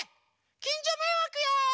きんじょめいわくよ！